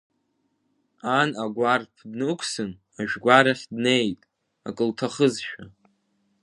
Ан агәарԥ днықәсын, ажәгәарахь днеит, акы лҭахызшәа.